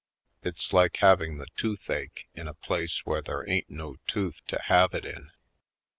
It's like having the toothache in a place where there ain't no tooth to have it in.